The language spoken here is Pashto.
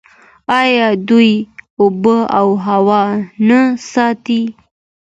آیا دوی اوبه او هوا نه ساتي؟